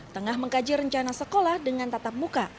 tengah mengkaji rencana sekolah dengan tatap muka